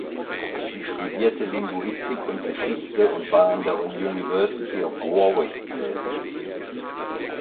Sie studierte Linguistik und Geschichte und war an der University of Warwick tätig.